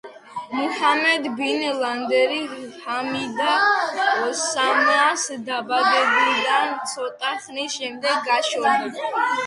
მუჰამედ ბინ ლადენი ჰამიდა ოსამას დაბადებიდან ცოტა ხნის შემდეგ გაშორდა.